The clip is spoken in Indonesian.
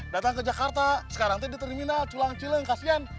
datang ke jakarta sekarang itu di terminal culang cileng kasian